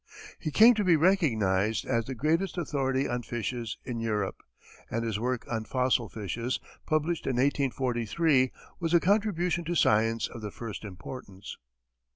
He came to be recognized as the greatest authority on fishes in Europe, and his work on fossil fishes, published in 1843, was a contribution to science of the first importance.